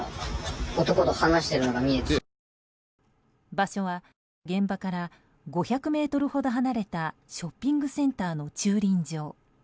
場所は現場から５００ｍほど離れたショッピングセンターの駐輪場。